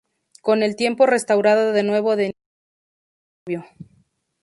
Con el tiempo restaurado de nuevo Denise rompe con su novio.